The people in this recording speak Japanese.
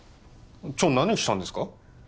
ちょ何したんですか？